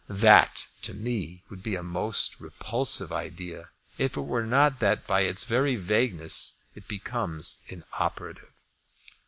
That to me would be a most repulsive idea if it were not that by its very vagueness it becomes inoperative.